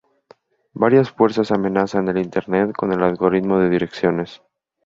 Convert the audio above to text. Varias fuerzas amenazan Internet con el agotamiento de direcciones.